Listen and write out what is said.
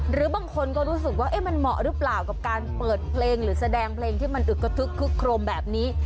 หรือบางคนก็รู้สึกว่ามันเหมาะหรือเปล่ากับการเปิดเพลงหรือแสดงเพลงที่มันอึกกระทึกคึกโครมแบบนี้